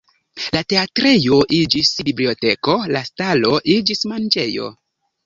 La teatrejo iĝis biblioteko, la stalo iĝis manĝejo.